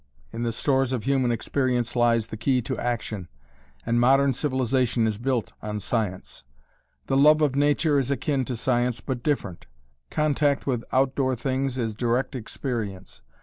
In the stores of human experience lies the key to action, and modern civilization is built on Science. The love of nature is akin to Science but different. Contact with outdoor things is direct experience.